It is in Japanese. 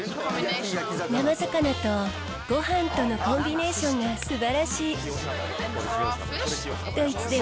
生魚とごはんとのコンビネーションがすばらしい。